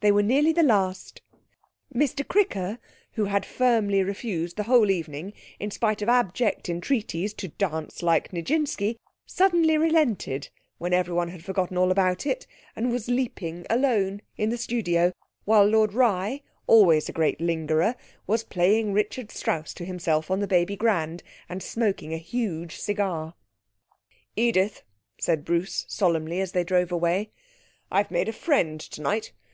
They were nearly the last. Mr Cricker, who had firmly refused the whole evening, in spite of abject entreaties, to dance like Nijinsky, suddenly relented when everyone had forgotten all about it, and was leaping alone in the studio, while Lord Rye, always a great lingerer, was playing Richard Strauss to himself on the baby Grand, and smoking a huge cigar. 'Edith,' said Bruce solemnly, as they drove away, 'I've made a friend tonight.